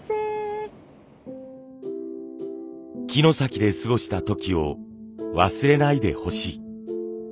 城崎で過ごした時を忘れないでほしい。